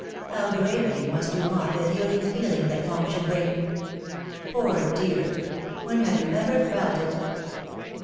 How greatly must you want the healing feeling that home should bring! Poor dear! .... When have you ever felt it?